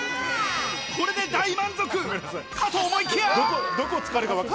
これで大満足！かと思いきや。